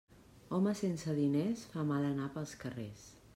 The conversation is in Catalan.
Home sense diners fa mal anar pels carrers.